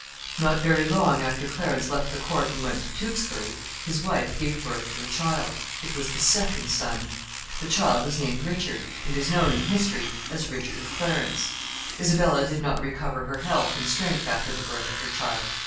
Not very long after Clarence left the court and went to Tewkesbury, his wife gave birth to a child. It was the second son. The child was named Richard, and is known in history as Richard of Clarence. Isabella did not recover her health and strength after the birth of her child.